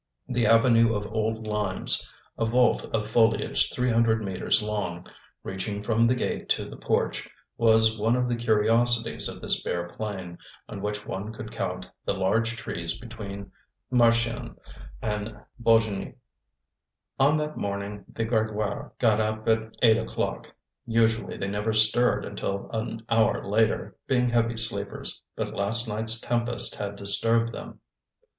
The avenue of old limes, a vault of foliage three hundred metres long, reaching from the gate to the porch, was one of the curiosities of this bare plain, on which one could count the large trees between Marchiennes and Beaugnies. On that morning the Grégoires got up at eight o'clock. Usually they never stirred until an hour later, being heavy sleepers; but last night's tempest had disturbed them.